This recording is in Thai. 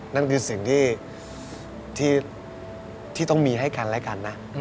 นั่นคือสิ่งที่ต้องมีให้กันและกันนะ